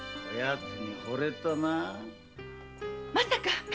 まさか！